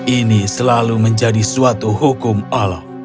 ini selalu menjadi suatu hukum alam